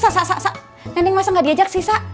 sa sa sa neneng masa gak diajak sih sa